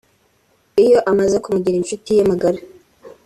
Iyo amaze kumugira inshuti ye magara